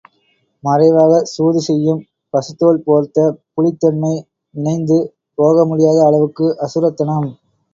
மறைவாகச் சூது செய்யும் பசுத்தோல் போர்த்த புலித்தன்மை, இணைந்து போகமுடியாத அளவுக்கு அசுரத்தனம்.